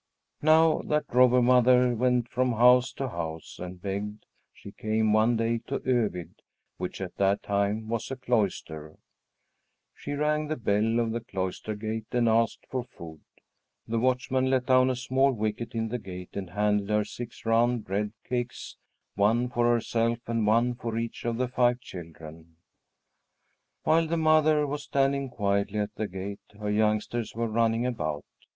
Now that Robber Mother went from house to house and begged, she came one day to Övid, which at that time was a cloister. She rang the bell of the cloister gate and asked for food. The watchman let down a small wicket in the gate and handed her six round bread cakes one for herself and one for each of the five children. While the mother was standing quietly at the gate, her youngsters were running about.